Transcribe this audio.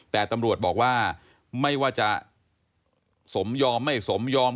แต่ตำรวจบอกว่าไม่ว่าจะสมยอมไม่สมยอม